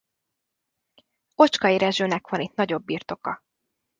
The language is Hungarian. Ocskay Rezsőnek van itt nagyobb birtoka.